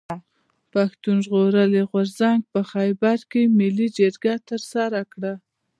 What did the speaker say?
پښتون ژغورني غورځنګ په خېبر کښي ملي جرګه ترسره کړه.